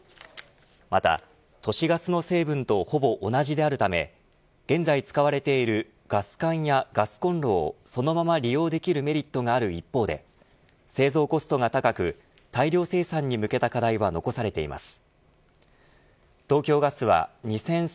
また、都市ガスの成分とほぼ同じであるため現在使われているガス管やガスコンロをそのまま利用できるメリットがある一方で製造コストが高く大量生産に向けた課題は残されています。